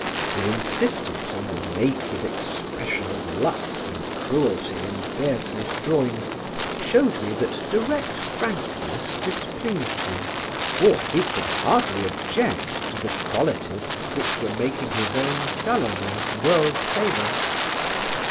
His insistence on the naked expression of lust and cruelty in Beardsley's drawings showed me that direct frankness displeased him; for he could hardly object to the qualities which were making his own "Salome" world famous.